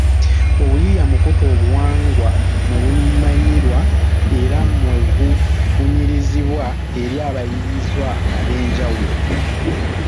Obuyiiya mukutu obuwangwa mwe bumanyirwa era mwe bubunyirizibwa eri abayiiyizwa ab’enjawulo.